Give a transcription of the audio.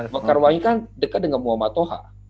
mekarwangi kan dekat dengan muhammad toha